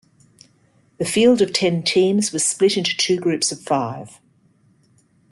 The field of ten teams was split into two groups of five.